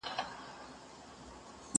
سیر وکړه!.